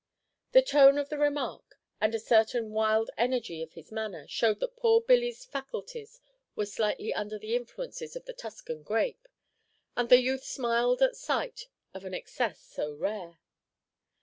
The tone of the remark, and a certain wild energy of his manner, showed that poor Billy's faculties were slightly under the influences of the Tuscan grape; and the youth smiled at sight of an excess so rare.